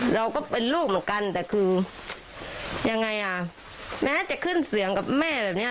เราก็เป็นลูกเหมือนกันแต่คือยังไงอ่ะแม้จะขึ้นเสียงกับแม่แบบเนี้ย